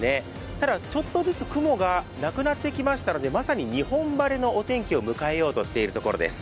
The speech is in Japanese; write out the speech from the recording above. ただ、ちょっとずつ雲がなくなってきましてまさに日本晴れのお天気を迎えようとしているところです。